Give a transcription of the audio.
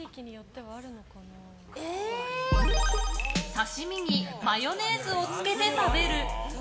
刺し身にマヨネーズをつけて食べる。